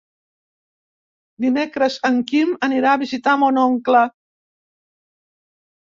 Dimecres en Quim anirà a visitar mon oncle.